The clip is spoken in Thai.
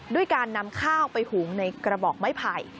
ด้วยการนำข้าวไปหุงในกระบอกไม้ไผ่